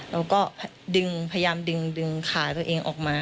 แล้วก็พยายามดึงขาตัวเองออกมา